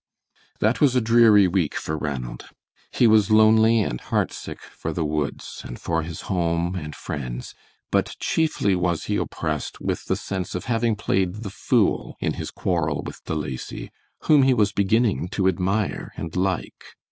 That was a dreary week for Ranald. He was lonely and heartsick for the woods and for his home and friends, but chiefly was he oppressed with the sense of having played the fool in his quarrel with De Lacy, whom he was beginning to admire and like.